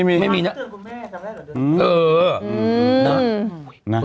มันเตือนกับแม่ก่อนแรกหรอ